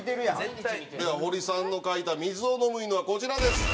では堀さんの描いた水を飲む犬はこちらです。